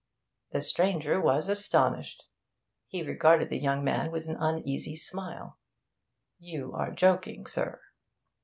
The stranger was astonished. He regarded the young man with an uneasy smile. 'You are joking, sir.'